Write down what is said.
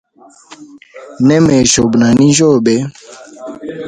Nemeya shobe na ninjyobe.